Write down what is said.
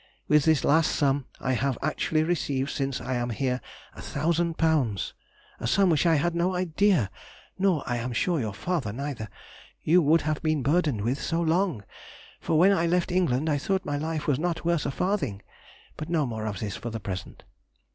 With this last sum, I have actually received since I am here a thousand pounds; a sum which I had no idea (nor I am sure your father neither) you would have been burdened with so long, for when I left England I thought my life was not worth a farthing. But no more of this for the present....